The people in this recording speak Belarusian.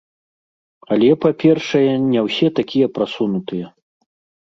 Але, па-першае, не ўсе такія прасунутыя.